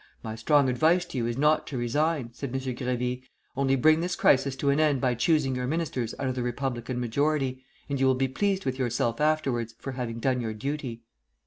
"My strong advice to you is not to resign," said M. Grévy; "only bring this crisis to an end by choosing your ministers out of the Republican majority, and you will be pleased with yourself afterwards for having done your duty."